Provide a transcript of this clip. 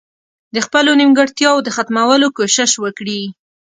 د خپلو نيمګړتياوو د ختمولو کوشش وکړي.